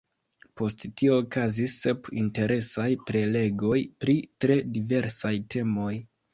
Post tio okazis sep interesaj prelegoj pri tre diversaj temoj.